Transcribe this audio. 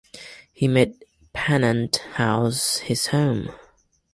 He made Pennant House his home.